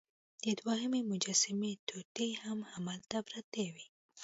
د دوهمې مجسمې ټوټې هم هلته پرتې وې.